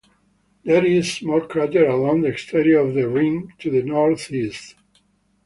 There is a small crater along the exterior of the rim to the northeast.